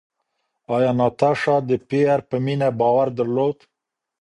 ایا ناتاشا د پییر په مینه باور درلود؟